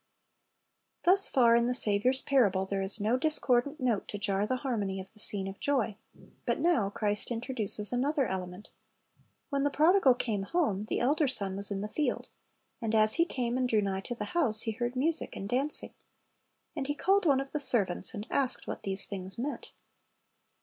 Thus far in the Saviour's parable there is no discordant note to jar the harmony of the scene of joy; but now Christ introduces another element. When the prodigal came home, the elder son "was in the field; and as he came and drew nigh to the house, he heard music and dancing. And he called one of the servants, and asked what these things meant.